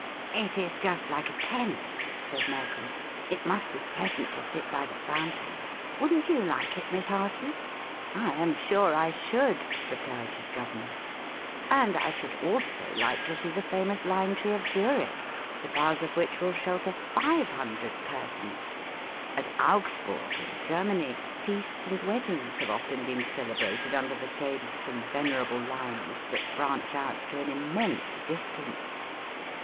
'" "It is just like a tent," said Malcolm, "it must be pleasant to sit by the fountain. Wouldn't you like it, Miss Harson?" "I am sure I should," replied his governess; "and I should also like to see the famous lime tree of Zurich, the boughs of which will shelter five hundred persons. At Augsburg, in Germany, feasts and weddings have often been celebrated under the shade of some venerable limes that branch out to an immense distance.